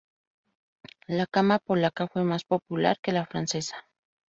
La cama polaca fue más popular que la francesa.